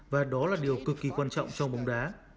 và đó là điều cực kỳ quan trọng trong bóng đá